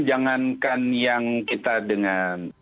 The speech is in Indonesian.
jangankan yang kita dengan